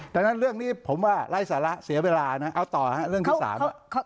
ดังนั้นเรื่องนี้ผมว่าไร้สาระเสียเวลานะเอาต่อฮะเรื่องที่สาม